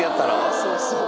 そうそう。